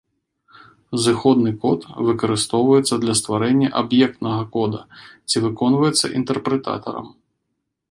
Зыходны код выкарыстоўваецца для стварэння аб'ектнага кода, ці выконваецца інтэрпрэтатарам.